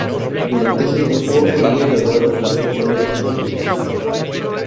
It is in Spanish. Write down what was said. Durante ese tiempo ella grabaron sus dos primeras canciones.